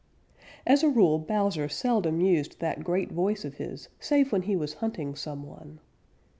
As a rule, Bowser seldom used that great voice of his save when he was hunting some one.